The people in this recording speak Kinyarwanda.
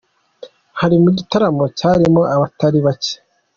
Hari mu gitaramo cyarimo abatari bacye.